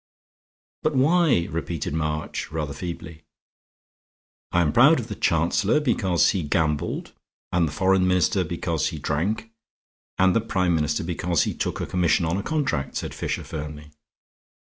"But why?" repeated March, rather feebly. "I am proud of the Chancellor because he gambled and the Foreign Minister because he drank and the Prime Minister because he took a commission on a contract," said Fisher, firmly.